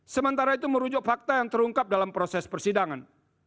sementara itu merujuk fakta yang terungkap dalam proses persidangan